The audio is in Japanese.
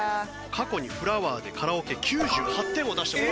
過去に『フラワー』でカラオケ９８点を出した事が。